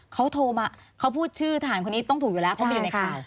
เขาโทรมาเขาพูดชื่อทหารคนนี้ต้องถูกอยู่แล้วเขาไปอยู่ในข่าว